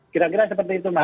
kira kira seperti itu mas